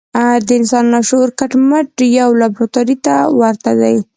د انسان لاشعور کټ مټ يوې لابراتوار ته ورته دی.